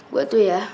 gue tuh ya